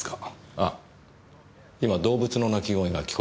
あっ今動物の鳴き声が聞こえませんでしたか？